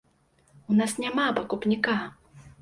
У нас няма пакупніка!